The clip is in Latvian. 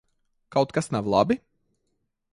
Kaut kas nav labi?